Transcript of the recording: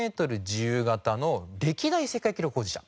自由形の歴代世界記録保持者。